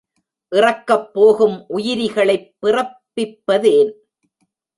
இறக்கப் போகும் உயிரிகளைப் பிறப்பிப்பதேன்?